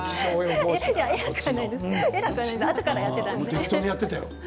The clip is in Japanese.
俺は適当にやっていたよ。